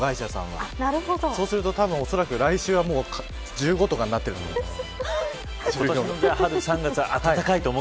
そうすると多分おそらく来週は１５とかになってると思います。